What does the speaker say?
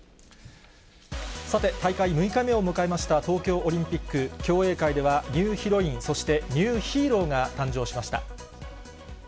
さて、大会６日目を迎えました、東京オリンピック、競泳界ではニューヒロイン、そして、ニューヒーローが誕生しました。